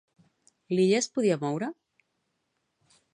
L'illa es podia moure?